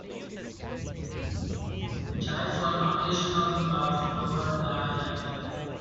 Typhoons occasionally pass over the island.